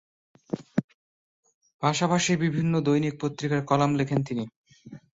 পাশাপাশি বিভিন্ন দৈনিক পত্রিকায় কলাম লেখেন তিনি।